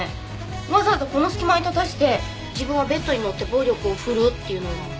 わざわざこの隙間に立たせて自分はベッドに乗って暴力を振るうっていうのは。